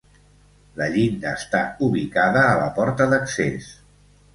La llinda està ubicada a la porta d'accés.